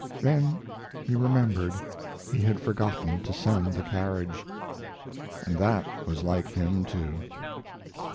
Then he remembered he had forgotten to send the carriage; and that was like him, too.